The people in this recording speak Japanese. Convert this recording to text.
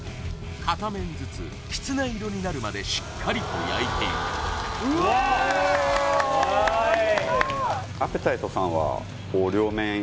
片面ずつきつね色になるまでしっかりと焼いていくうわっ！